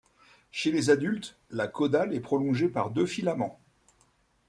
Chez les adultes, la caudale est prolongée par deux filaments.